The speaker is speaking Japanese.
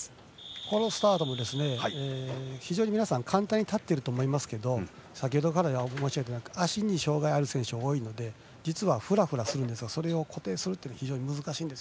このスタートも非常に皆さん簡単に立っていると思いますが先ほどから申し上げていますが足に障がいがある選手が多いので実はふらふらするんですがそれを固定するのが難しいんです。